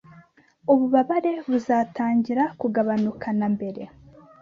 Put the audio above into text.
ububabare buzatangira kugabanuka na mbere